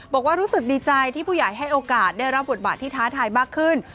บอกว่ารู้สึกดีใจที่ผู้ใหญ่ให้โอกาสได้รับบทบาทที่ท้าทายมากขึ้น